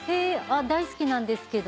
大好きなんですけど。